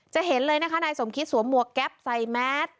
เห็นเลยนะคะนายสมคิตสวมหมวกแก๊ปใส่แมส